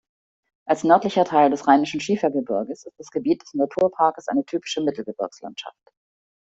Als nördlicher Teil des Rheinischen Schiefergebirges ist das Gebiet des Naturparkes eine typische Mittelgebirgslandschaft.